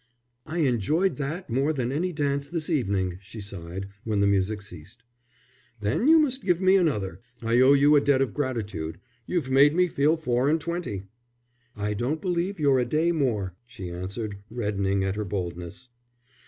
"I enjoyed that more than any dance this evening," she sighed, when the music ceased. "Then you must give me another. I owe you a debt of gratitude. You've made me feel four and twenty." "I don't believe you're a day more," she answered, reddening at her boldness.